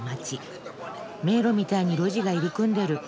迷路みたいに路地が入り組んでる。